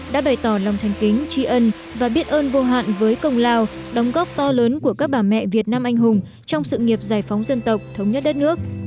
đã bày tỏ lòng thành kính tri ân và biết ơn vô hạn với công lao đóng góp to lớn của các bà mẹ việt nam anh hùng trong sự nghiệp giải phóng dân tộc thống nhất đất nước